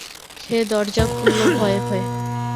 সে দরজা খুলল ভয়ে ভয়ে।